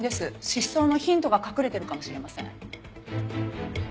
失踪のヒントが隠れてるかもしれません。